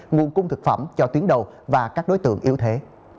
nguồn cung thực phẩm cho tuyến đầu và các đối tượng yếu thế